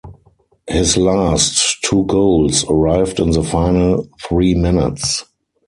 His last two goals arrived in the final three minutes.